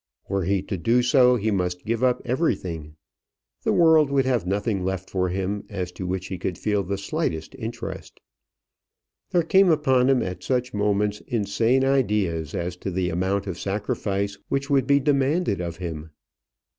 Were he to do so, he must give up everything. The world would have nothing left for him as to which he could feel the slightest interest. There came upon him at such moments insane ideas as to the amount of sacrifice which would be demanded of him.